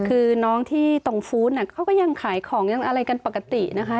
คือน้องที่ตรงฟู้ดเขาก็ยังขายของยังอะไรกันปกตินะคะ